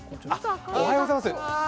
おはようございます。